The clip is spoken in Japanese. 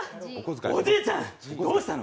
おじいちゃんどうしたの？